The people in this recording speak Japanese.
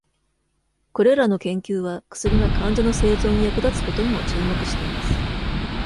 これらの研究は、薬が患者の生存に役立つことにも注目しています。